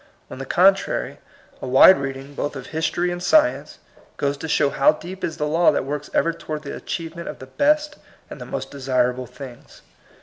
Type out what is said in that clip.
On the contrary, a wide read ing, both of history and science, goes to show how deep is the law that works ever towaitl the achievement of the best and the most desirable things.